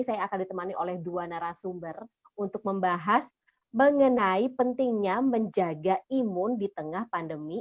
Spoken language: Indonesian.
saya akan ditemani oleh dua narasumber untuk membahas mengenai pentingnya menjaga imun di tengah pandemi